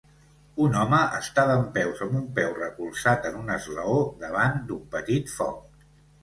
Un home està dempeus amb un peu recolzat en un esglaó davant d'un petit foc.